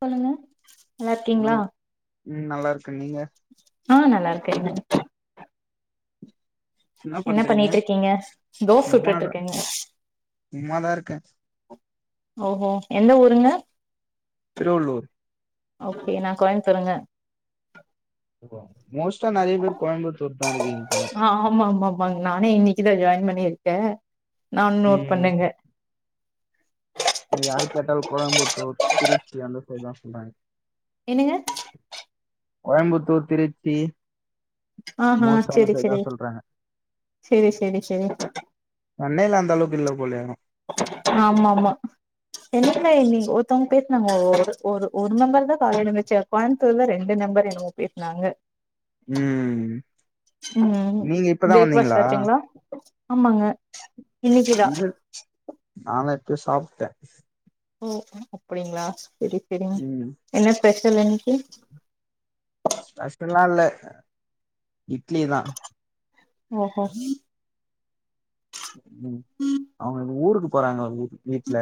சொல்லுங்க நல்லாருக்கீங்களா உம் நல்லா இருக்க நீங்க ஆஹ் நல்லா இருக்கேங்க என்ன பண்ணிட்ருக்கீங்க தோஸ் சும்மாதா சுட்டுட்ருக்கங்க சும்மாதா இருக்கே ஓஹோ எந்த ஊருங்க திருவள்ளூர் ஓகே நா கோயமுத்தூர்ங்க மோஸ்ட்டா நெறைய பேர் கோயம்புத்தூர் தா இருக்கீங் போல இதல ஜாயின் பண்ணியிருக்கே நானு நோட் ம் பண்ணங்க யாரு கேட்டாலு கோயம்புத்தூர் திருச்சி அந்த சைட் தா சொல்றாங்க என்னங்க கோயம்புத்தூர் திருச்சி ஆஹ்ஹ மோஸ்ட்டா அந்த செரி சைடு தா செரி சொல்றாங்க செரி செரி பண்ணைல அந்த அளவுக்கில்ல போலயே ஆமா ஆமா என்ன நீங்க ஒருத்தவங்க பேசினாங்க ஒரு ஒரு நாள் காலைல வெச்ச கொழ ல ரெண்டு நம்பர் என்ன [unintelligible] உம் உம் பிரேக்ஃபாஸ்ட் ஆச்சுங்களா ஆமாங்க இன்னைக்குதா நீது நாளை சாப்பிட்டேன் ஓ அப்படிங்களா செரி செரிங்க ம் என்ன ஸ்பெஷல் எனக்கு ஸ்பெஷல்லாம் இல்ல இட்லி தான் ஓஹோ உம் அவங்க ஊருக்கு போறங்க வீட்டுல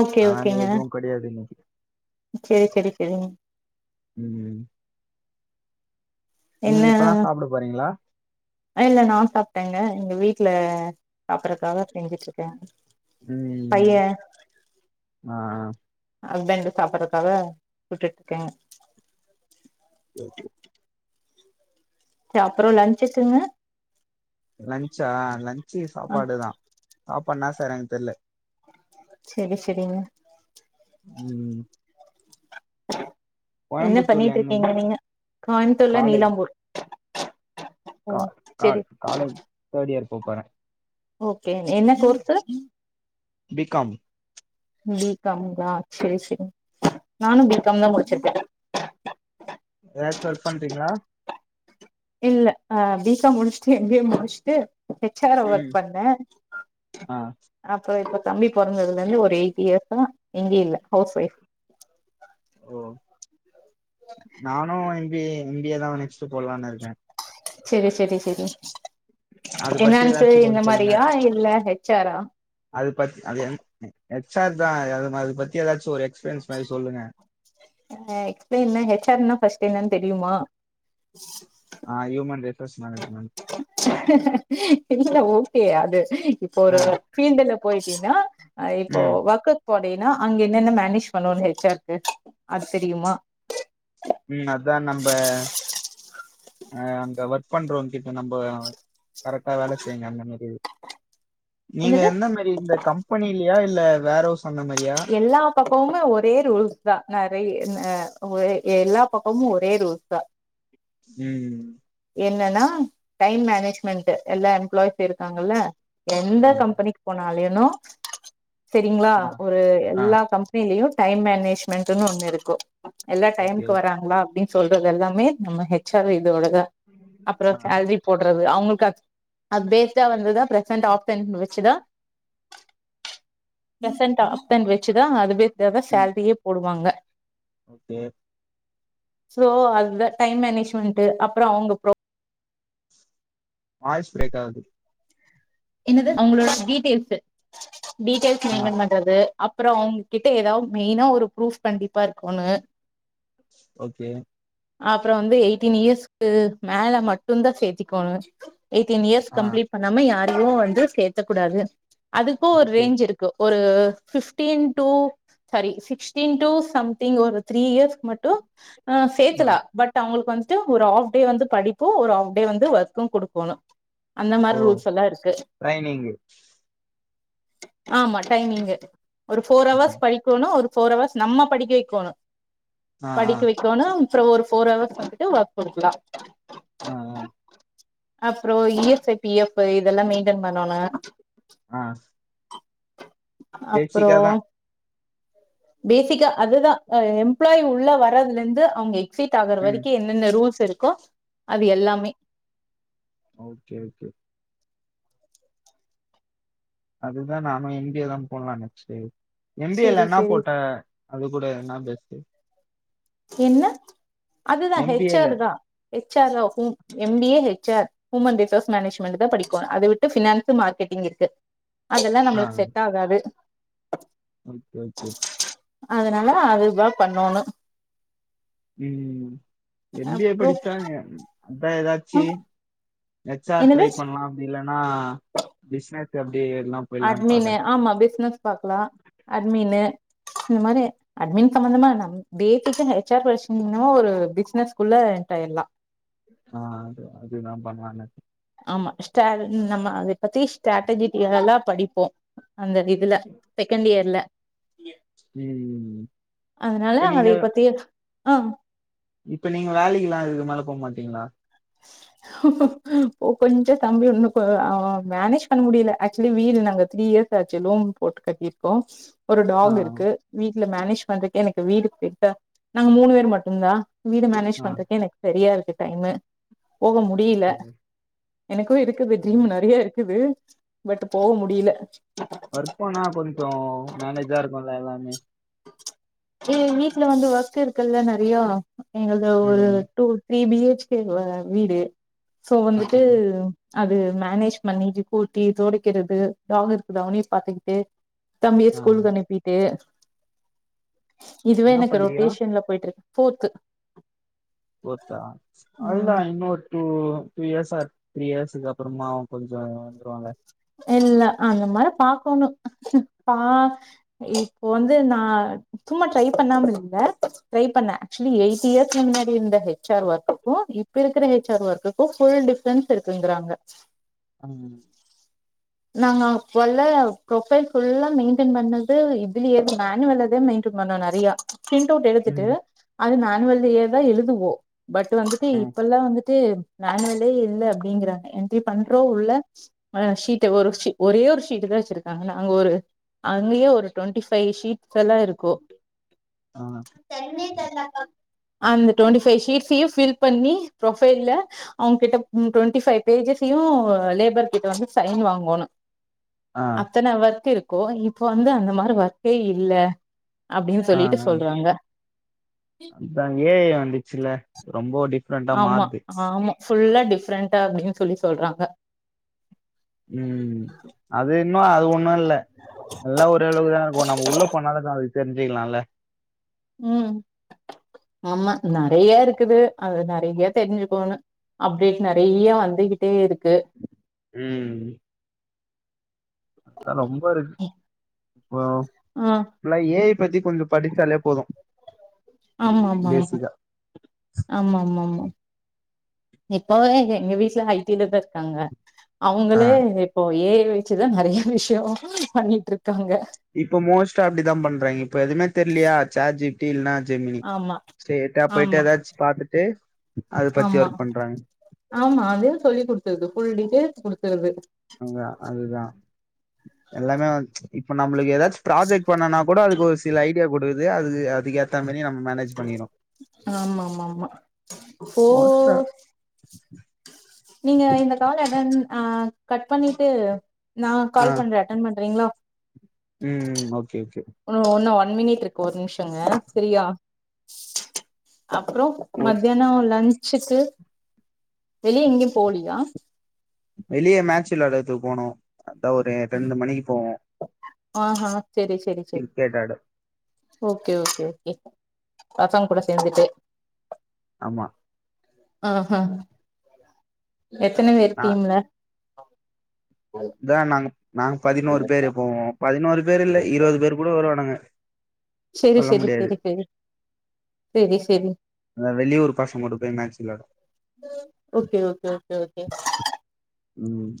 ஓகே ஆனா எதுவும் கெடையாது இன்னைக்கு செரி செரி செரிங் உம் என்ன நீங்க இப்பதான் சாப்பிட போறீங்களா இல்ல நான் சாப்பிட்டேங்க எங்க வீட்டுல சாப்பிடறதுக்காக செஞ்சுட்டு இருக்கேன் உம் ஆஹ் ஹஸ்பண்ட் சாப்படுறதுக்காக விட்டுட்டு இருக்கேங்க ஓகே அப்புறம் லஞ்சுக்குங்க லன்ச்சா லஞ்ச் சாப்பாடுதான் சாப்பாடுனா தராங் தெரல செரி செரிங்க உம் [inaudible] என்ன பண்ணிட்டு எங்க இருக்கீங்க நீங்க கோயம்புத்தூர்ல காலேஜ் நீலாம்பூர் கா ஓ கா சேரி காலேஜ் தேர்ட் இயர் போப்பொற ஓகே என்ன கோர்ஸ் பி காம் பி காம்ங்கழ செரி செரி நானும் பி காம் தான் முடிச்சிருக்கேன் ஏதாச்சும் ஒர்க் பண்றீங்களா இல்ல அஹ் பி காம் முடிச்ச்டு எம் பி ஏ முடிச்சுடு ஹெச் ஆரா வர்க் ம் பண்ணே ஆ அப்றோ இப்பக் தம்பி பொறந்ததுலேந்து ஒரு எயிட் இயர்ஸா எங்கயூ இல்ல ஹவுஸ் வைஃப் நானூ M B M B A தா நெக்ஸ்ட்டு போட்லான்னுருக்கே செரி செரி செரி அது பத்தி ஃபினான்ஸு ஏதாச்சூ இந்த கொஞ்சோ சொல்லுங்க மாரியா இல்ல ஹெச் ஆரா அது பத் அது என் ம் ஹெச் ஆர் தா அது அது ம பத்தி ஏதாச் ஆ எக்ஸ்ப்ரியன்னா ஹெச் ஆர்ன் ஃபஸ்ட் டு என்னன் தெரியுமா ஆ இவுங்க வந்து ட்ரஸ் மேனேஜ்மென்ட் இல்ல ஓகே அது இப்போ ஒரு ஆ ஃபீல்டுல போயிட்டீன்னா ஆ இப்போ ம் வக்கத் படேனா அங்க என்னென்ன மேனேஜ் பண்ணூ ஹெச் ஆர் கு அது தெரியுமா ம் அத்தா நம்ப ஆ அங்க வர்க் பண்றவ்ங்கிட்ட நம்ப கரெக்டா வேல செய்ங்க அந்த மாரி நீங்க என்னது எந்த மாரி இந்த கம்பெனிலியா இல் ல வேரவுஸ் எல்லா பக்கமுமே ஒரே ரூல்ஸ் தா நறைய் ந ஒரே எல்லா பக்கமூ ஒரே ரூஸ் தா ம் என்னன்னா டைம் மேனேஜ்மெண்ட் எல்லா [unintelligible] இருக்காங்கல எந்த ஆ கம்பெனி போனா னாலேனூ செரிங்ளா ஆ ஒரு ஆ எல்லா கம்பெனிலயூ டைம் மேனேஜ்மெண்ட்ன்னு ஒன்னுருக்கூ எல்லா ஓகே டைம்க்கு வர்றாங்ளா அப்டின் சொல்றது எல்லாமே நம்ம ஹெச் ஆரே இவ்ளோ தா அப்றோ ஆ சேல்ரி போட் அவுங்களுக்கு அத் அப்டேட்டா வந்ததா பிரசன்ட் ஆப்ஷன் வச்சுதா பிரசன்ட் டாப் டென் வச்சுதா அதுவேத் தாத ம் சேல்ரியே போடுவாங்க ஓகே சோ அதுதா டைம் மேனேஜ்மெண்ட் அப்றோ அவுங்க ப்ரொ வாய்ஸ் ப்ரேக் ஆகுது என்னது அவங்களோட டீட்டெயல்ஸ் டீட்டெய்ல்ஸ் ஆ மெய்ன்டர்ன் பண்றது அப்பறொ அவங்ககிட்ட எதாவது மெயினா ஒரு ப்ரூஃப் கண்டிப்பா இருக்கனு ஓகே அப்றோ வந்து எயிட்டீன் இயர்ஸ்க்கு மேல மட்டுந்தா சேர்த்திக்கனு எயீட்டின் இயர்ஸ் ஆ கம்ப்ளீ்ட் பண்ணாம யார் லுலுவு வந்து சேத்துக் கூடாது அதுக்கு ஒரு ஓகே ரேஞ்ச் இருக்கு ஒரு கு years fifteen to sorry sixteen to something ஒரு த்ரீ இயர்ஸ்கு மட்டு ஆஹ் ஆ சேர்த்தலா பட் அவுங்களுக்கு வந் து ஒரு ஹாஃப் டே வந்து படிப்பு ஒரு ஹாஃப் டே வந்து ஒர்க்கு குடுக்கணு அந்த ஓ மாரி ரூல்ஸ்ஸெல்லா இருக் ட்ரைனிங் ஆமா டைமிங்கு ஒரு ஃபோர் ஆ அவர்ஸ் படிக்கோணு ஒரு ஃபோர் அவர்ஸ் நம்ம படிக்க வைக்கோணு ஆ ஆ படிக்க வைக்கோணும் அப்றோ ஒரு ஃபோர் அவர்ஸ் வந்துட்டு ஒர்க் குடுக்கலா ஆ ஆ அப்றோ இ எஸ் எஃப் பி எ ஃபைல் இதெல்லா மெயின்டென் பண்ணனு நா அப்றோ பேசிக்கா அதுதா அ எம்ப்ளாயி உள்ள வரதுலருந்து அவுங்க எக் க்ஸிட் ஆகுர ம் வரைக்கு என்னென்ன ரூல்ஸ் இருக்கோ அது எல்லாமே ஓகே ஓகே அதுதா நானு எங்கயோதா போட்லானு நெனச்சுட் எம் பி‌ எல் செரி லன்னா செரி போட்ட அது கூட என்னா பெஸ்ட்டு என்ன அதுதா ஹெச் எம்பிஏல ஆர் தா ஹெச் ஆரோ ஹும் M B A H R human resource management தா படிக்கோனு அத விட்டு ஃபினான்ஸ் மார்க்கெட்டிங் இருக்கு அதெல்லா நம்மளுக் செட் ஆகாது ஹம் கே ஓகே அதனால அதுதா பண்ணோணு உம் ம் எம் பி ஏ அப்றோ படிச்சாங்க அப்பற எதாச்சி ஹெச் ஆர் என்னது ட்ரை பண்ணலா அப்படில்ல ஆனா [unintelligible] அட்மினு ஆமா பிஸ்னஸ் பாக்கலா அட்மினு இந்த மாரி அட்மின் சம்மதமா நம் [unintelligible] ஹெச் ஆர் படிச்சிருந்தீங்கனா ஒரு பிசினஸ்குள்ள எண்டராயிரலாம் ஆஹ் அது அது நா பண்ண மாட்ட ஆமா ஸ்டே நம்ம அதை பத்தி ஸ்ட்ராட்டஜிட்டிகல்லா படிப்போ அந்த இதுல செகண்ட் இயர்ல ம் அதனால அதைய பத்தி ஆஹம் இப்ப நீங்க வேலைக்குல இதுக்கு மேல போக மாட்டீங்களா ஒ கொஞ்சோ தம்பி உண்ணு அவ மேனேஜ் பண்ண முடியல ஆக்சுலி வீடு நாங்க த்ரீ இயர்ஸ் ஆச்சு லோன் போட்டு கட்டியிருக்கோ ஒரு ஆ டாக் இருக்கு வீ இல்ல மேனேஜ் பண்றதுக்கே எனக்கு வீடு கிட்ட நாங்க மூணு பேரு மட்டும்தா வீடு மேனேஜ் ஆ பண்றக்கே எனக்கு சரியா இருக் டைமு போக முடியல எனக்கு இருக்குது ட்ரீம் நெறைய இருக்குது பட் போக முடியல ஒர்க்போன கொஞ்ஜோ மேனேஜா இருக்குல எல்லாமே ஏ வீட்ல வந்து ஒர்க் இருக்குல்ல நெறைய எங்கல்து ஒரு ம் two three B H K வீடு சோ ஆ வந்துட்டு அது மேனேஜ் பண்ணிட்டு கூட்டி தொடைக்கிறது டாகு இருக்குது அவனையு பாத்துக்கிட்டு தம்பிய ஆ ஸ்கூலக்கு அனுப்பிட்டு இதுவே என்ன எனக்கு பண்ணிக்கிறான் ரொட்டேஷன்ல போயிட்டு இருக்கு ஃபோர்த்து ஃபோர்த்தா ம் அல்ல இன்னொரு டூ டூ இயர்ஸ் ஆ த்ரீ இயர்ஸ் இதுக்கு அப்புறமாவு கொஞ்சோ வந்துருவாங்க இல்ல அந்த மாரி பாக்கணும் பா இப்போ வந்து நா சும்மா டரை பண்ணாம இல்ல ட்ரை பண்ணேன் ஆக்சுவலி எய்டி இயர்ஸ் முன்னாடி இருந்த ஹெச் ஆர் ஒர்க்குக்கும் இப்ப இருக்கிற ஹெச்ஆர் ஒர்க்குக்கும் ஃபுல் டிஃப்ரன்ஸ் இருக்குங்கிறாங்க ம் நாங்க அபெல்லா ப்ரொபைல் ஃபுல்லா மெயின்டென் பண்ணது இதுல மேனுவலே தா மெயின்டென் பண்ணோ நெறைய பிரண்ட் அவுட் எடுத்துட்டு ம் அது ந நம்ள்து எதா எழுதுவோ பட் வந்துட்டு ஆ இப்பெல்லா வந்துட்டு நாங்களே இல்ல அப்டிங்கறாங்க திப் பண்றோ உள்ள மழயா சி கே ஒரு ஷீ ஒரே ஒரு ஷீட் தா வச்சிருக்காங்க நாங்க ஒரு அங்கயே ஒரு டுவென்டி ஃபைவ் ஷீட்ஸ் எல்லா இருக்கோ ஆ தண்ணி தா அந்த டுவென்டி ஃபைவ் ஷீட்ஸ்யு ஃபில் பண்ணி ப்ரோஃபைல்ல அவுங்கிட்ட உம் டுவென்டி ஃபைவ் பேஜஸ்யு லேபர் கிட்ட வந்து சைன் வா மோன ஆ அத்தன ஒர்க் இரு கோ இப்ப வந்து அந்த மாரி ஒர்க்கே இல்ல அப்டின்னு ஆ சொல்லிட்டு ஆ சொல்றாங்க அதா எ ஐ வந்துச்சுல ரொம்போ அ ஆமா ஆம்மோ ஃபுல்லா டிஃப்ரெண்ட்டா அப்டின்னு சொல்லி சொல்றாங்க உம் அது இன்னோ அது ஒன்னோ இல்ல எல்லா ஒரே அளவுக்குதா இருக்கோ நம்ம உள்ள போனாதா [inaudible] தெரிஞ்கிலால உம் ஆமா நெறைய இருக்குது அது நெறைய தெரிஞ்சுக்கோங்க அப்டேட் நெறைய வந்துக்கிட்டே இருக்கு உம் தா ரொம்ப ரிஸ்க் ஓ ஆ ஃபுல்லா எ ஐ பதி கொஞ்சோ படிச்சாலே போதோ ஆமா ஆமா ஆமா ஆமா ஆமா ஆமா இப்பவே எங்க வீட்டுல ஐ டி லதா இருக்காங்க ஆ அவுங்களே இப்போ எ பேர் வெச்சுதா நெறைய விஷ்யோ பண்ணிட்டுருக் இப்ப மோஸ்ட்டா அப்டிதா பண்றாங்கிய இப்ப எதுமே தெர்லியா சாட் ஜிப் டீல் நா ஜெமினி ஆமா ஸ்டிரைட்டா போயிட்டு ஆமா எதாச்சு பாத்துட்டு அது பத்தி ஆமா ஒர்க் பண்றாங்க ஆமா அதே சொல்லி குடுத்தது ஃபுல் டீடெயில் குடுக்கறது அங்க அதுதா எல்லாமே வந் ச்ச இப்ப நம்மளுக்கு எதாச்சு புராஜக்ட் பண்ணனா கூட அதுக்கு ஒரு சில ஐடியா கொடு அதே அதுகு யா ஆமாமாமா போ மோஸ்டா [inaudible] நீங்க இந்த கால அட்டர்ன் ஆ கட் பண்ணிட்டு நா ஆ கால் பண்றே அட்டன் பண்றீங்களா ம் ஓக் ஒன்னு [unintelligible] ஒன்மினிட்ருக்கு ஒரு நிமிஷங்க ஃபிரியா அப்றோ ஒரு மத்யானோ லஞ் [unintelligible] வெளிய எங்கியு போலியா வெளிய மேட்ச் விளாடத்க்கு போனு அதா ஒரு ரெண்டு மணிக்கு போவோ ஆஹா செரி செரி செரி கிரிக்கெட் ஆட ஓகே ஓகே ஓகே பசங்க கூட சேந்துட்டு மா ஆஹா எத்தன பேர் நா டீம்ல ஆ அதா நாங்க நாங்க பதினோரு பேரு போவோ பதினோரு பேர் இல்ல இருவது பேரு கூட வருவானுங்க செரி சொல்ல முடியாது செரி வெளியூரு பசங்கூட போய் மேட்ச் விளாட ஓகே ஓகே ஓகே ஓகே ம்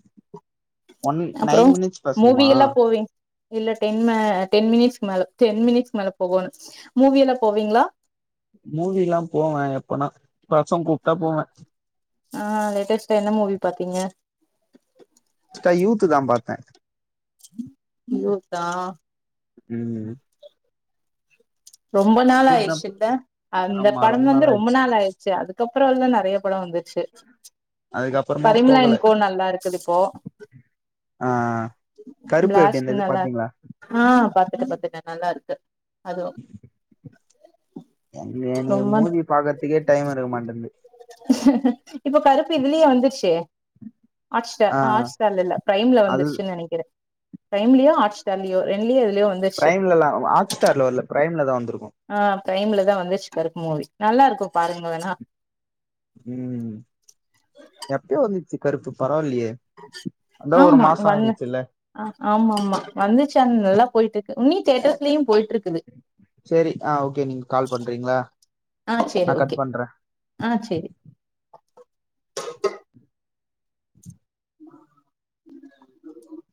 ஒன் அப்புறோ நைன் மினிட்ஸ் மூவி பசங்கமா எல்லா போவிங் இல்ல டென்மே டென் மினிட்ஸ்கு மேல டென் மினிட்ஸ்கு மேல போகோனு மூவி எல்லா போவீங்களா மூவிலா போவே எப்பனா பசங்க் கூப்ட்டா போவே ஆ லேட்டஸ்டா என்ன மூவி பாத்தீங்க அ யூத் ஆ ம் ரொம்ப நாள் யூத் தா ஆயிருச்சு இல்ல அந்த படம் வந்து ரொம்ப நாள் ஆயிருச்சு அதுக் அதுக்கப்புறோ எல்லா நெறையப் படம் வந்துச்சு அதுக்கப்புறமா பரிமளா போகல அண்ட் கோ நல்லா இருக்குது இப்போ ஆ கருப்பு எப்டி பிளாஸ்ட் இருந்தது நல்லா பாத்தீங்களா ஆ பாத் பாத்துட்டே பாத்துட்டே நல்லா இருக்கு அதுவு எனக்கு எனக்கு ரொம்மான் மூவி பாக்கறதுக்கே டைம் இருக்க மாட்டேன்து இப்ப கருப்பு இதுலியே வந்துருச்சே ஆர்ட் ஸ்டார் ஆ ஆர்ட் ஸ்டார்ல இல்ல பிரைம்ல அது வந்துருச்சுன் நெனைக்கிறே பிரைம்லியோ ஹாட்ஸ்டார்லியோ ரெண்டுலியு பிரைம்லல ஹாட்ஸ்டார்ல வர்ல பிரைம் அதா வந்திருக்கு ஆ பிரைம்ல தா வந்துச்சு கருப்பு மூவி நல்லா இருக்கு பாருங்க வேணா உம் எப்பயோ வந்து சு கருப்பு ப ஆமா வந்து ஆயிடுச்சுல்ல அ ஆமா ஆமா வந்துச்சு அந்த நல்லா போயிட்டு உன்னி தேட்டர்ஸ்லியு போயிட்டு இருக்குது செரி ஆஹ் ஓகே நீங்க கால் பண்றீங்களா ஆ நா சேரி கட் ஓகே பண்ற ஆ சேரி [inaudible]